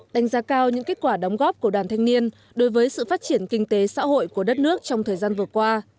đánh giá cao những kết quả đóng góp của đoàn thanh niên đối với sự phát triển kinh tế xã hội của đất nước trong thời gian vừa qua